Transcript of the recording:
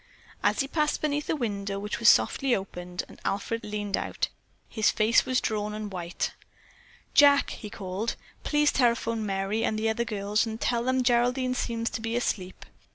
As he passed beneath a window, it was softly opened and Alfred leaned out. His face was drawn and white. "Jack," he called, "please telephone Merry and the other girls and tell them that Geraldine seems to be asleep.